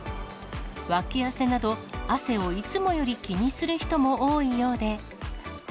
わき汗など、汗をいつもより気にする人も多いようで。